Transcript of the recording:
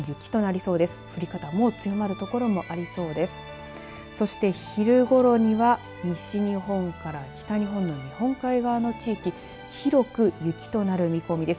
そして昼ごろには西日本から北日本の日本海側の地域広く雪となる見込みです。